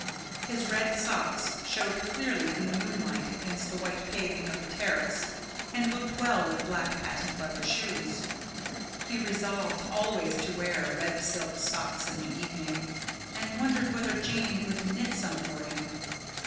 His red socks showed clearly in the moonlight against the white paving of the terrace, and looked well with black patent leather shoes. He resolved always to wear red silk socks in the evening, and wondered whether Jane would knit some for him.